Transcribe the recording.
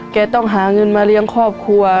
ต้องหาเงินมาเลี้ยงครอบครัว